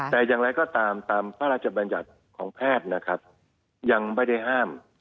แต่อย่างไรก็ตามตามพระราชบัญญัติของแพทย์นะครับยังไม่ได้ห้าม